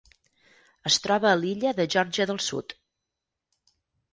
Es troba a l'illa de Geòrgia del Sud.